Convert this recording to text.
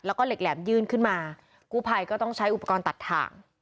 แล้วก็เหล็กแหลมยื่นขึ้นมากู้ภัยก็ต้องใช้อุปกรณ์ตัดถ่าง